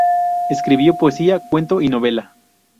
Escribió poesía, cuento y novela.